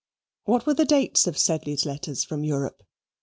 What were the dates of Sedley's letters from Europe?